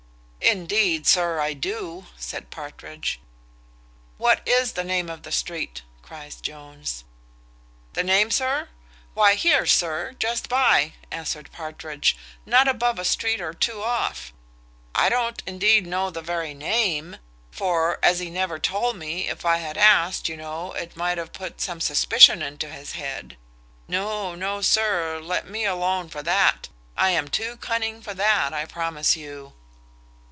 "Indeed, sir, I do," says Partridge. "What is the name of the street?" cries Jones. "The name, sir? why, here, sir, just by," answered Partridge, "not above a street or two off. I don't, indeed, know the very name; for, as he never told me, if I had asked, you know, it might have put some suspicion into his head. No, no, sir, let me alone for that. I am too cunning for that, I promise you."